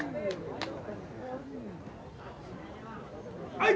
はい！